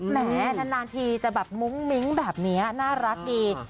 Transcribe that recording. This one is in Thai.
แหมนานทีจะแบบมุ้งมิ้งแบบนี้น่ารักดี